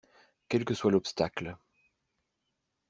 Quel que soit l'obstacle